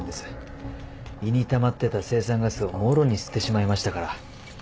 胃にたまってた青酸ガスをもろに吸ってしまいましたから。